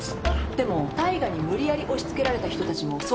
でも大我に無理やり押しつけられた人たちも相当いるはずよ。